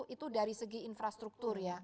itu dari segi infrastruktur